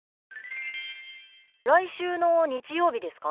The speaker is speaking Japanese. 来週の日曜日ですか？